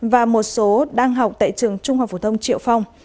và một số đang học tại trường trung học phổ thông triệu phong